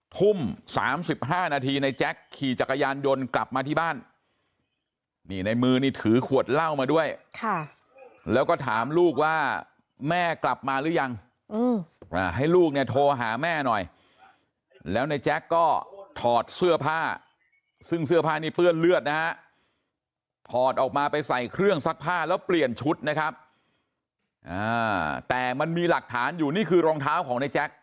ทุ่ม๓๕นาทีในแจ๊คขี่จักรยานยนต์กลับมาที่บ้านนี่ในมือนี่ถือขวดเหล้ามาด้วยแล้วก็ถามลูกว่าแม่กลับมาหรือยังให้ลูกเนี่ยโทรหาแม่หน่อยแล้วในแจ็คก็ถอดเสื้อผ้าซึ่งเสื้อผ้านี้เปื้อนเลือดนะฮะถอดออกมาไปใส่เครื่องซักผ้าแล้วเปลี่ยนชุดนะครับแต่มันมีหลักฐานอยู่นี่คือรองเท้าของในแจ๊ค